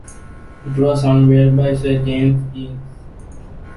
It was unveiled by Sir James Jeans.